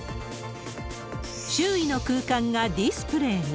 周囲の空間がディスプレーに。